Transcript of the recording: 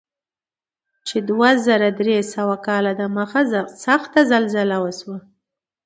چې دوه زره درې سوه کاله دمخه سخته زلزله وشوه.